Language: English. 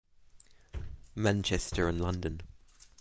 Manchester and London.